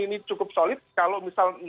ini cukup solid kalau misal